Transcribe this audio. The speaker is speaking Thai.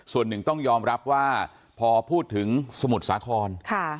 ส่วนหนึ่งต้องยอมรับว่าพอพูดถึงสมุทรสาคร